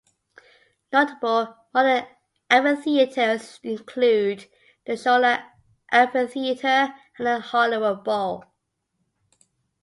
Notable modern amphitheatres include the Shoreline Amphitheatre and the Hollywood Bowl.